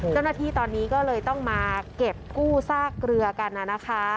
เจ้าหน้าที่ตอนนี้ก็เลยต้องมาเก็บกู้ซากเรือกันนะคะ